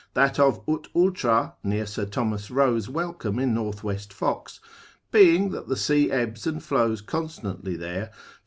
that of ut ultra near Sir Thomas Roe's welcome in Northwest Fox, being that the sea ebbs and flows constantly there 15.